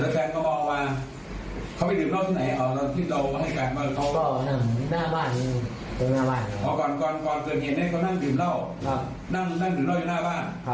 ใช่ครับ